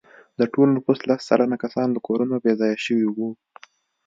د ټول نفوس لس سلنه کسان له کورونو بې ځایه شوي وو.